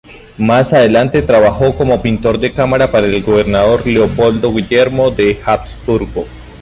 Más adelante trabajó como pintor de cámara para el gobernador Leopoldo Guillermo de Habsburgo.